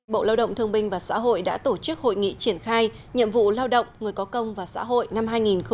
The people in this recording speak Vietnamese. bộ lao động thương binh và xã hội đã tổ chức hội nghị triển khai nhiệm vụ lao động người có công và xã hội năm hai nghìn một mươi chín